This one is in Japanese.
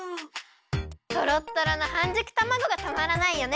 トロットロのはんじゅくたまごがたまらないよね！